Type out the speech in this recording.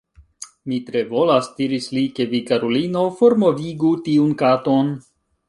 "Mi tre volas," diris li, "ke vi, karulino, formovigu tiun katon."